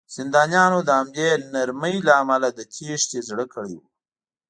زندانیانو د همدې نرمۍ له امله د تېښتې زړه کړی و